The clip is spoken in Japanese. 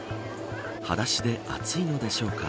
はだしで熱いのでしょうか